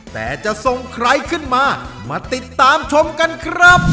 แต่จะส่งใครขึ้นมามาติดตามชมกันครับ